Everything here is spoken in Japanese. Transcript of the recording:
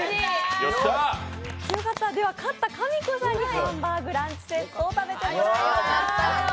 勝ったかみこさんにハンバーグランチセットを食べてもらいます。